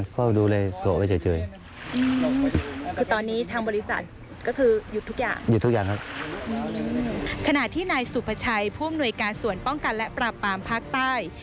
พวกมันต้องทำหน่วยการส่วนป้องกันและปราบปามภาคใต้